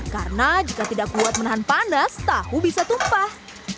karena jika tidak kuat menahan panas tahu bisa tumpah